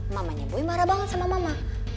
mamanya bui marah banget sama mama